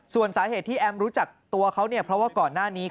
ส่งไปที่อยู่ตรงนี้